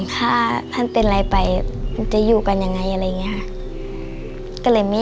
ถ้าท่านเป็นอะไรไปมันจะอยู่กันยังไงอะไรอย่างนี้ค่ะก็เลยไม่